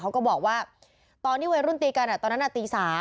เขาก็บอกว่าตอนที่วัยรุ่นตีกันตอนนั้นตี๓